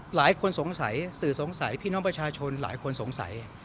หลายคนสงสัยสื่อสงสัยพี่น้องประชาชนหลายคนสงสัย